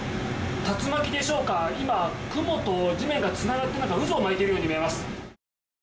竜巻でしょうか、今、雲と地面がつながって渦を巻いているように見えます。